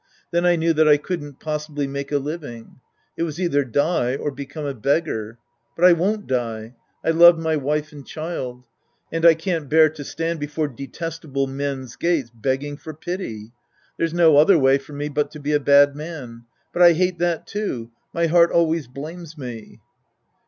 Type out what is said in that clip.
Then I knew that I couldn't possibly make a living. It was either die or become a beggar. But I won't die. I love my wife and child. And I can't bear to stand before detestable men's gates begging for pity. There's no other way for me but ;o be a bad man. But I hate that, too. My heart always blames me.